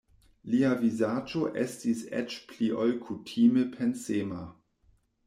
Lia vizaĝo estis eĉ pli ol kutime pensema.